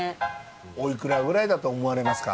おいくらくらいだと思われますか？